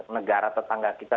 negara tetangga kita